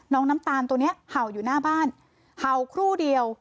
น้ำตาลตัวนี้เห่าอยู่หน้าบ้านเห่าครู่เดียว